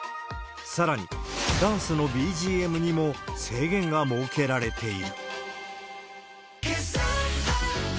さらに、ダンスのＢＧＭにも制限が設けられている。